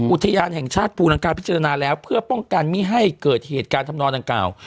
อุทยานแห่งชาติภูรังกาลพิจารณาแล้วเพื่อป้องกันไม่ให้เกิดเหตุการณ์ธรรมนรรคา